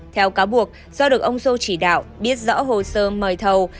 theo cáo buộc do được ông sô chỉ đạo biết rõ hồ sơ mời thầu